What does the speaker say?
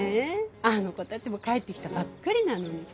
あの子たちも帰ってきたばっかりなのに。